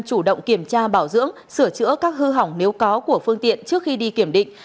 chủ động kiểm tra bảo dưỡng sửa chữa các hư hỏng nếu có của phương tiện trước khi đi kiểm định